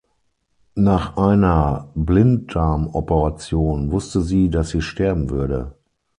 Nach einer Blinddarmoperation wusste sie, dass sie sterben würde.